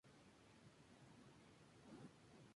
De estas fábulas se hicieron media docena de ediciones.